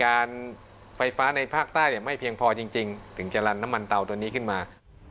การไฟฟ้าในภาคใต้ไม่เพียงพอจริงถึงจะลันน้ำมันเตาตัวนี้ขึ้นมา